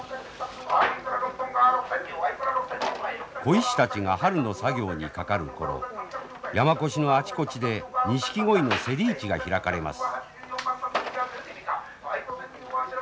鯉師たちが春の作業にかかる頃山古志のあちこちでニシキゴイのセリ市が開かれます。